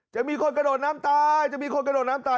จะมีคนกระโดดน้ำตายจะมีคนกระโดดน้ำตาย